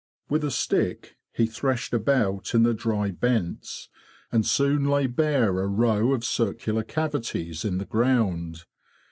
'' With a stick he threshed about in the dry bents, and soon lay bare a row of circular cavities in the ground.